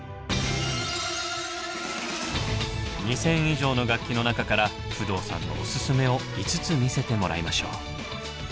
２，０００以上の楽器の中から不動さんのオススメを５つ見せてもらいましょう。